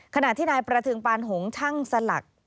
ขณะที่นายประเทิงปานหงษ์ช่างสลัก